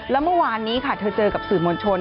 แล้วเมื่อวานนี้ค่ะเธอเจอกับสื่อมวลชน